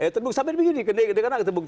terbuka sampai begini kena kena terbuka